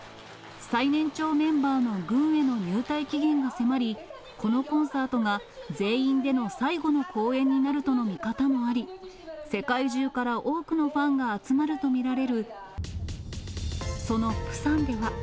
最年長メンバーの軍への入隊期限が迫り、このコンサートが全員での最後の公演になるとの見方もあり、世界中から多くのファンが集まると見られるそのプサンでは。